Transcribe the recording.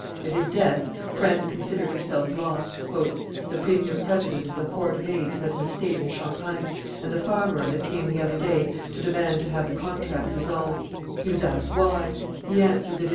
At his death, France considered herself lost. "The premier president of the court of aids has an estate in Champagne, and the farmer of it came the other day to demand to have the contract dissolved; he was asked why: he answered that in M.